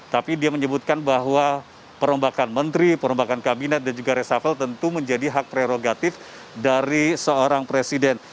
tapi dia menyebutkan bahwa perombakan menteri perombakan kabinet dan juga resafel tentu menjadi hak prerogatif dari seorang presiden